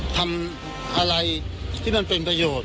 ทำอะไรที่มันเป็นประโยชน์